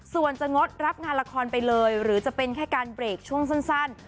ส่วนจะงดรับงานละครไปเลยหรือจะเป็นแค่การเบรกช่วงสั้น